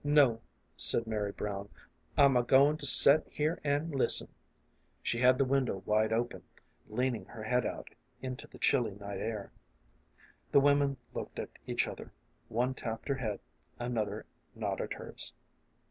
" No," said Mary Brown ;" I'm a goin' to set here an' listen." She had the window wide open, leaning her head out into the chilly night air. The women looked at each other ; one tapped her head, another nodded hers.